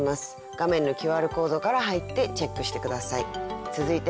画面のＱＲコードから入ってチェックして下さい。